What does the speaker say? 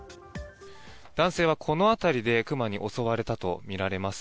男性はこの辺りで熊に襲われたとみられます。